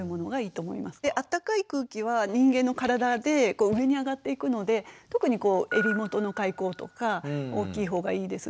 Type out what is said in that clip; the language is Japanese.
あったかい空気は人間の体で上に上がっていくので特に襟元の開口とか大きい方がいいです。